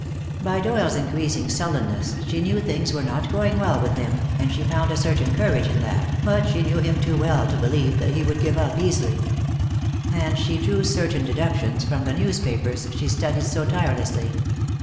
By Doyle's increasing sullenness she knew things were not going well with him, and she found a certain courage in that, but she knew him too well to believe that he would give up easily. And she drew certain deductions from the newspapers she studied so tirelessly.